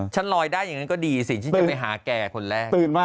ลอยได้อย่างนั้นก็ดีสิฉันจะไปหาแกคนแรก